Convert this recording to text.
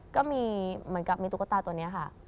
ก็มีเหมือนกับมีตุ๊กตาตัวนี้ค่ะ